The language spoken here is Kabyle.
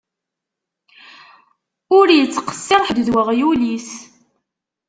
Ur ittqessir ḥedd d uɣyul-is.